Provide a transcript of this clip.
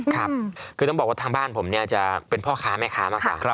ครับคือต้องบอกว่าทางบ้านผมเนี่ยจะเป็นพ่อค้าแม่ค้ามากกว่า